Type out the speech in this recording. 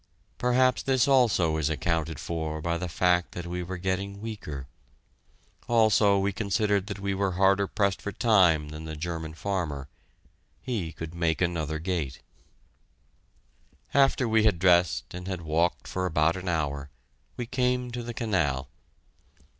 Perhaps this also is accounted for by the fact that we were getting weaker: also, we considered that we were harder pressed for time than the German farmer he could make another gate. After we had dressed and had walked for about an hour, we came to the canal.